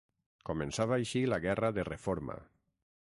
Començava així la guerra de Reforma.